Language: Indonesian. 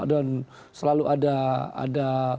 dan selalu ada